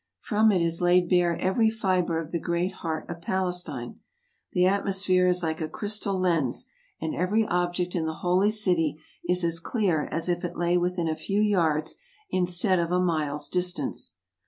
From it is laid bare every fiber of the great heart of Palestine. The atmosphere is like a crystal lens, and every object in the Holy City is as clear as if it lay within a few yards, instead of a mile's distance.